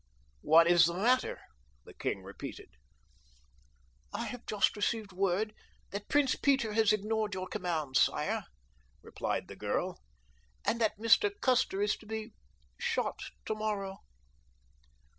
"What is the matter?" the king repeated. "I have just received word that Prince Peter has ignored your commands, sire," replied the girl, "and that Mr. Custer is to be shot tomorrow."